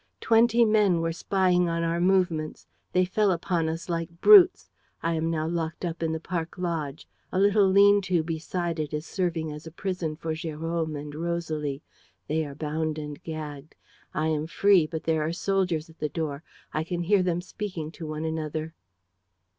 ... Twenty men were spying on our movements. ... They fell upon us like brutes. ... I am now locked up in the park lodge. A little lean to beside it is serving as a prison for Jérôme and Rosalie. They are bound and gagged. I am free, but there are soldiers at the door. I can hear them speaking to one another.